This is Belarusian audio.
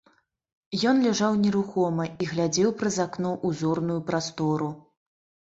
Ён ляжаў нерухома і глядзеў праз акно ў зорную прастору.